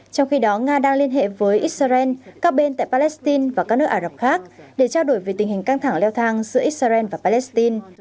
trong khi đó nga đang liên hệ với israel các bên tại palestine và các nước ả rập khác để trao đổi về tình hình căng thẳng leo thang giữa israel và palestine